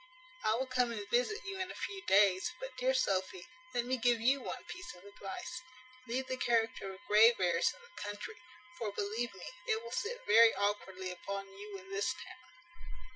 I will come and visit you in a few days; but, dear Sophy, let me give you one piece of advice: leave the character of Graveairs in the country, for, believe me, it will sit very awkwardly upon you in this town."